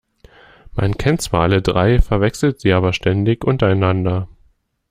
Man kennt zwar alle drei, verwechselt sie aber ständig untereinander.